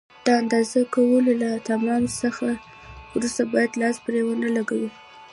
د اندازه کولو له اتمام څخه وروسته باید لاس پرې ونه لګوئ.